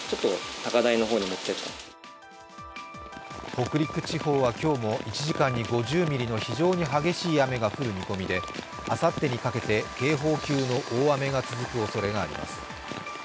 北陸地方は今日も１時間に５０ミリの非常に激しい雨が降る見込みで、あさってにかけて警報級の大雨が続くおそれがあります。